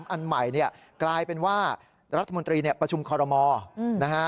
๒๓อันใหม่กลายเป็นว่ารัฐมนตรีประชุมคอลโรมอล์